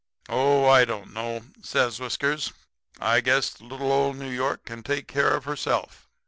"'Oh, I don't know,' says Whiskers. 'I guess Little Old New York can take care of herself.